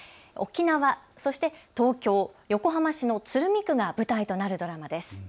沖縄、そして東京、横浜市の鶴見区が舞台となるドラマです。